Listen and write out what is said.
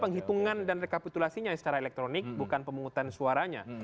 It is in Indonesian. penghitungan dan rekapitulasinya secara elektronik bukan pemungutan suaranya